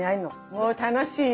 もう楽しいよ。